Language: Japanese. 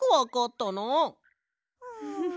フフフ。